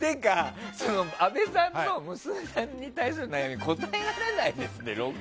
阿部さんの娘さんに対する悩み答えられないですって。